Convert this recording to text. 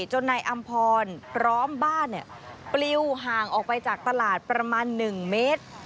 จนนายอำพรพร้อมบ้านปลิวห่างออกไปจากตลาดประมาณ๑เมตร